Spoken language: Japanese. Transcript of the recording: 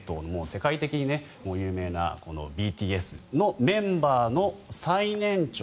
世界的に有名なＢＴＳのメンバーの最年長